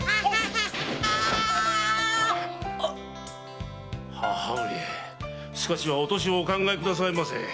あっ‼母上少しはお歳をお考えくださいませ。